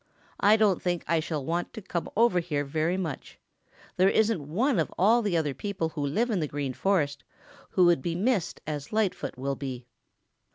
I don't think I shall want to come over here very much. There isn't one of all the other people who live in the Green Forest who would be missed as Lightfoot will be."